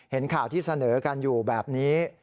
เห็นข่าวที่เสนอกันอยู่แบบนี้